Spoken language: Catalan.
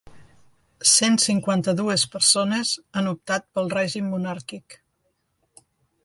Cent cinquanta-dues persones han optat pel règim monàrquic.